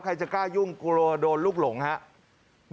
ก็ยืนดูแล้วครับใครจะกล้ายุ่งกลัวโดนลูกหลงครับ